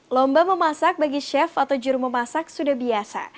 lomba memasak bagi chef atau juru memasak sudah biasa